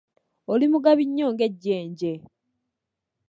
Oli mugabi nnyo ng'ejjenje